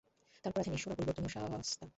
তারপর আছেন ঈশ্বর, অপরিবর্তনীয় শাস্তা।